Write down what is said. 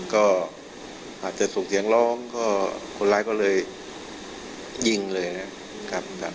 ก็อาจจะส่งเสียงร้องก็คนร้ายก็เลยยิงเลยนะครับ